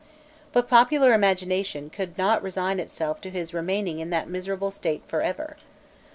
But popular imagination could not resign itself to his remaining in that miserable state for ever.